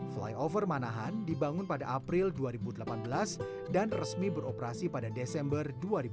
flyover manahan dibangun pada april dua ribu delapan belas dan resmi beroperasi pada desember dua ribu delapan belas